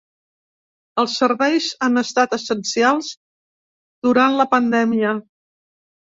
Els serveis han estat essencials durant la pandèmia.